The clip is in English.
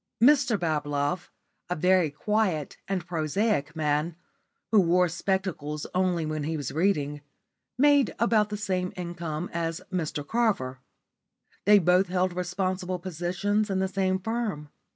Mr Bablove, a very quiet and prosaic man, who wore spectacles only when he was reading, made about the same income as Mr Carver. They both held responsible positions in the same firm.